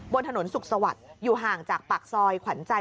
บนถนนสุขสวัสดิ์อยู่ห่างจากปากซอยขวัญใจ